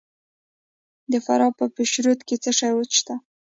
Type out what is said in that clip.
د فراه په پشترود کې څه شی شته؟